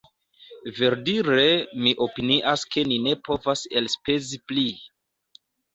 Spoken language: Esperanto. Verdire mi opinias ke ni ne povas elspezi pli.